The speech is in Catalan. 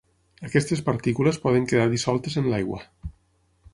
Aquestes partícules poden quedar dissoltes en l'aigua.